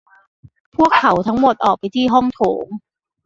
พวกเขาทั้งหมดออกไปที่ห้องโถง